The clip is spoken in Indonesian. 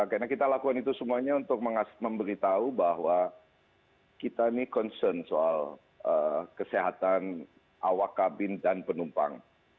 karena kita lakukan itu semuanya untuk memberitahu bahwa kita ini concern soal kesehatan awak kabin dan penumpang